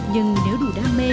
nhưng nếu đủ đam mê